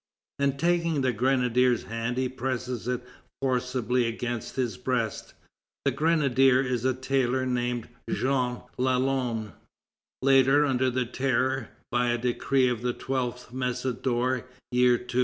And taking the grenadier's hand he presses it forcibly against his breast. The grenadier is a tailor named Jean Lalanne. Later, under the Terror, by a decree of the 12th Messidor, Year II.